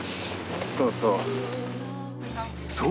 そうそう。